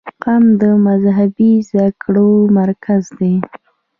قم د مذهبي زده کړو مرکز دی.